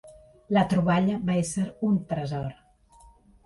La troballa va ésser un tresor